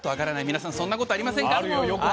皆さんそんなことありませんか？